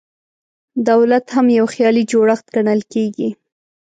دولت هم یو خیالي جوړښت ګڼل کېږي.